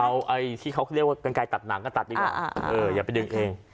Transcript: เอาไอ้ที่เขาเรียกว่ากันไกลตัดหนังก็ตัดดีกว่าอย่าไปดึงเอง